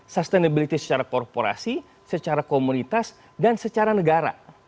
sustainability secara korporasi secara komunitas dan secara negara